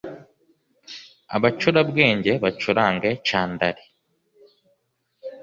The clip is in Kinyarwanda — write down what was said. abacurabwenge bacurange candari